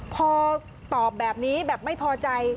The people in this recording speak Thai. พอตอบแบบนี้แบบไม่พอใจ